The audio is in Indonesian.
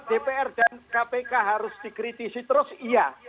dpr dan kpk harus dikritisi terus iya